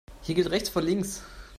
Hier gilt rechts vor links.